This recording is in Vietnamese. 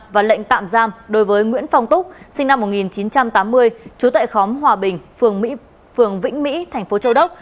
và lệnh tạm giam đối với nguyễn phong túc sinh năm một nghìn chín trăm tám mươi chú tại khóm hòa bình phường vĩnh mỹ thành phố châu đốc